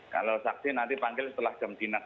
kalau saksi nanti panggil setelah jam dinas